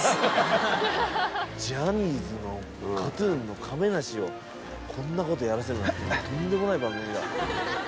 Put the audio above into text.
ジャニーズのＫＡＴ−ＴＵＮの亀梨をこんなことやらせるなんてとんでもない番組だ。